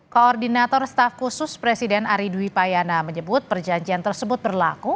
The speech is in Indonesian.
koordinator staf khusus presiden ari dwi payana menyebut perjanjian tersebut berlaku